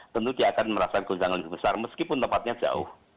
tentu dia akan merasakan guncangan lebih besar meskipun tempatnya jauh